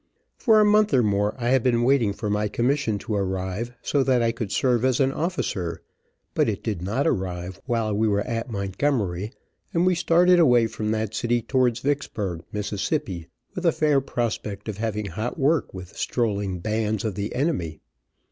For a month or more I had been waiting for my commission to arrive, so that I could serve as an officer, but it did not arrive while we were at Montgomery, and we started away from that city towards Vicksburg, Miss., with a fair prospect of having hot work with strolling bands of the enemy.